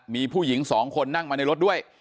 มีผู้หญิงสองคนนั่งมาในรถด้วย